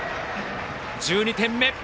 １２点目。